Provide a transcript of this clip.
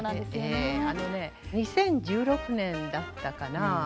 あのね２０１６年だったかな。